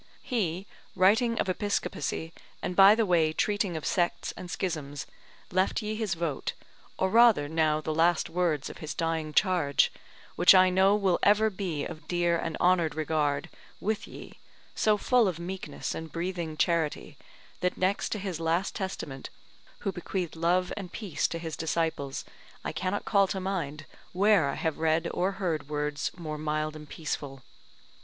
He writing of episcopacy, and by the way treating of sects and schisms, left ye his vote, or rather now the last words of his dying charge, which I know will ever be of dear and honoured regard with ye, so full of meekness and breathing charity, that next to his last testament, who bequeathed love and peace to his disciples, I cannot call to mind where I have read or heard words more mild and peaceful.